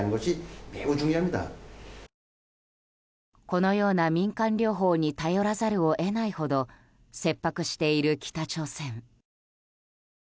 このような民間療法に頼らざるを得ないほど切迫している北朝鮮。